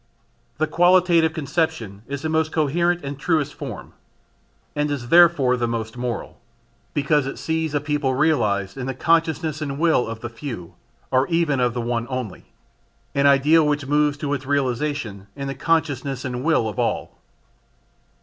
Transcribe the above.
The qualitative conception is the most coherent and truest form and is therefore the most moral, because it sees a people realised in the consciousness and will of the few or even of one only; an ideal which moves to its realisation in the consciousness and will of all.